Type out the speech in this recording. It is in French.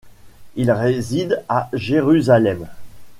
Il réside à Jérusalem.